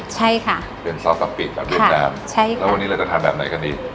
ใช่ค่ะเป็นซอสกะปิแบบเวียดนามใช่ค่ะแล้ววันนี้เราจะทำแบบไหนกันดี